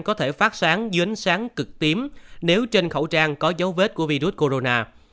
có thể phát sáng dưới ánh sáng cực tím nếu trên khẩu trang có dấu vết của virus corona